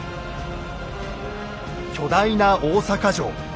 巨大な大坂城。